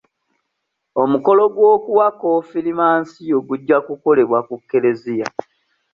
Omukolo gw'okuwa konfirimansiyo gujja kukolebwa ku kereziya.